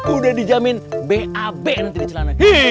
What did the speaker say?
udah dijamin bab nanti di celana